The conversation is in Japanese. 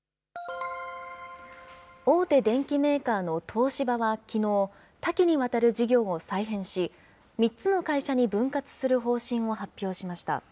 大手電機メーカーの東芝はきのう、多岐にわたる事業を再編し、３つの会社に分割する方針を発表しました。